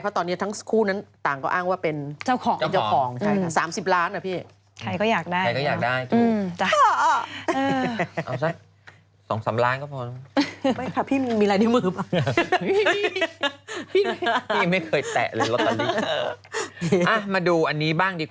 เพราะตอนนี้ทั้งคู่นั้นต่างก็อ้างว่าเป็น